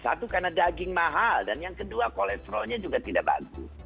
satu karena daging mahal dan yang kedua kolesterolnya juga tidak bagus